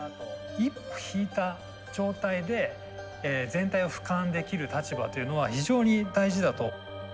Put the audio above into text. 一歩引いた状態で全体をふかんできる立場というのは非常に大事だと。